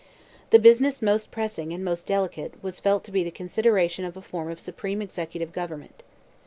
The business most pressing, and most delicate, was felt to be the consideration of a form of supreme executive government.